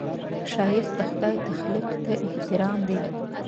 ښایست د خدای تخلیق ته احترام دی